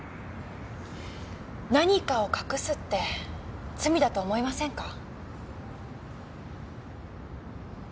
何かを隠すって罪だと思いませんか？